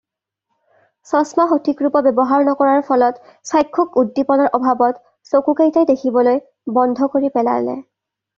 চছমা সঠিকৰূপত ব্যৱহাৰ নকৰাৰ ফলত চাক্ষুস উদ্দীপনাৰ অভাৱত চকুকেইটাই দেখিবলৈ বন্ধ কৰি পেলালে।